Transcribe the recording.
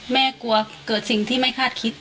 กลัวเกิดสิ่งที่ไม่คาดคิด